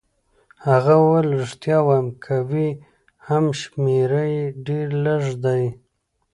هغه وویل: ریښتیا وایم، که وي هم شمېر يې ډېر لږ دی.